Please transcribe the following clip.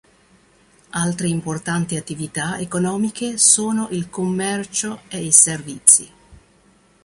Altre importanti attività economiche sono il commercio e i servizi.